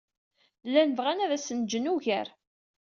Llan bɣan ad asen-d-jjen ugar.